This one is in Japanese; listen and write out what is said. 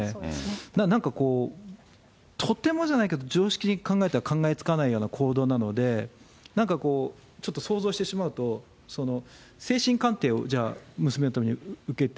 なんかこう、とてもじゃないけど常識的に考えたら考えつかないような行動なので、なんかこう、ちょっと想像してしまうと、精神鑑定を、じゃあ娘と受けて、